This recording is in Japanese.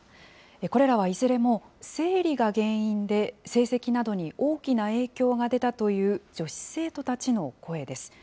これらはいずれも、生理が原因で成績などに大きな影響が出たという女子生徒たちの声です。